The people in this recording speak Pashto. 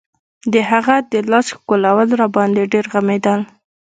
د هغه د لاس ښکلول راباندې ډېر غمېدل.